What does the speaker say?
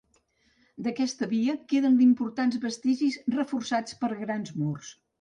D'aquesta via queden importants vestigis, reforçats per grans murs.